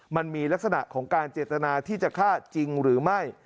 มันมีลักษณะของการเจตนาที่จะฆ่าจริงหรือไม่